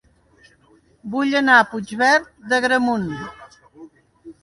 Vull anar a Puigverd d'Agramunt